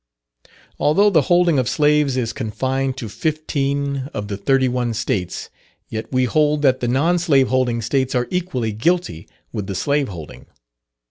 Although the holding of slaves is confined to fifteen of the thirty one States, yet we hold that the non slave holding States are equally guilty with the slave holding.